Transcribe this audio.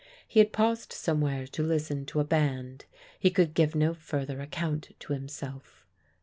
He had paused somewhere to listen to a band: he could give no further account to himself.